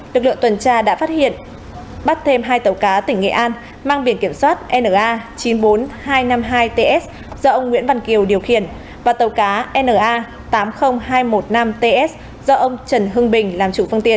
lực lượng tuần tra đã phát hiện bắt thêm hai tàu cá tỉnh nghệ an mang biển kiểm soát na chín mươi bốn nghìn hai trăm năm mươi hai ts do ông nguyễn văn kiều điều khiển và tàu cá na tám mươi nghìn hai trăm một mươi năm ts do ông trần hưng bình làm chủ phương tiện